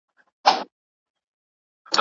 چي د سیمي اوسېدونکي